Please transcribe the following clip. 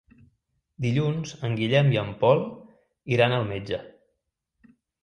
Dilluns en Guillem i en Pol iran al metge.